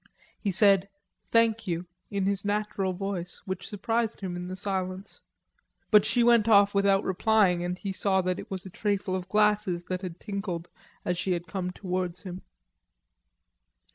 He said "Thank you," in his natural voice, which surprised him in the silence; but she went off without replying and he saw that it was a trayful of glasses that had tinkled as she had come towards him.